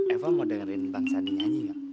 eva mau dengerin bang sani nyanyi nggak